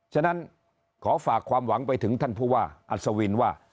ฉะนั้นขอฝากความหวังไปถึงท่านผู้ว่าอัศวินว่า